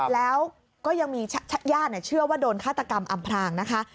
แล้วก็ยังมีญาติเชื่อว่าโดนฆาตกรรมอำพรางนะคะ